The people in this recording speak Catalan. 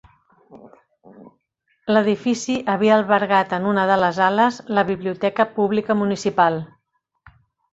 L'edifici havia albergat en una de les ales, la biblioteca pública municipal.